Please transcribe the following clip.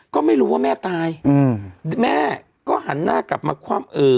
ก็ไม่รู้ว่าแม่ตายอืมแม่ก็หันหน้ากลับมาความเอ่อ